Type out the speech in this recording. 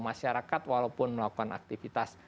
masyarakat walaupun melakukan aktivitas